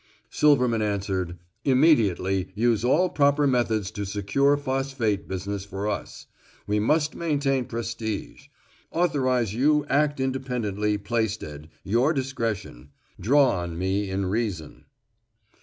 Silverman answered, "Immediately use all proper methods secure Phosphate business for us. We must maintain prestige. Authorize you act independently Plaisted your discretion. Draw on me in reason."